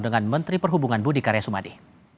dengan menteri perhubungan budi karya sumadi